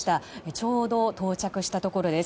ちょうど到着したところです。